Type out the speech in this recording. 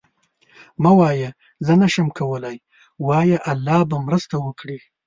مه وایه زه نشم کولی، وایه الله به مرسته وکړي.